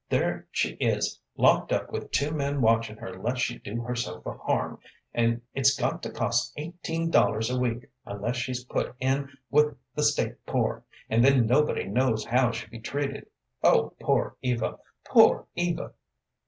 "There she is locked up with two men watchin' her lest she do herself a harm, and it's got to cost eighteen dollars a week, unless she's put in with the State poor, and then nobody knows how she'll be treated. Oh, poor Eva, poor Eva!